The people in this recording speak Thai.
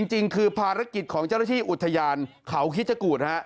จริงคือภารกิจของเจ้าหน้าที่อุทยานเขาคิดชะกูธ